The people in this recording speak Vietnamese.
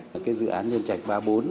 cái dự án nhân trạch ba bốn